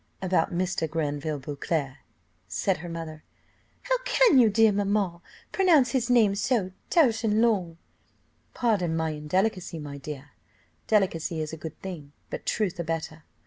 "About Mr. Granville Beauclerc," said her mother. "How can you, dear mamma, pronounce his name so tout an long?" "Pardon my indelicacy, my dear; delicacy is a good thing, but truth a better.